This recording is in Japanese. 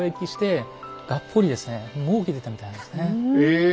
え！